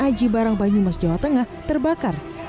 kampung kota aji barang banyumas jawa tengah terbakar